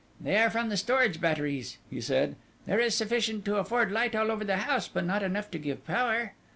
"They are from the storage batteries," he said. "There is sufficient to afford light all over the house, but not enough to give power."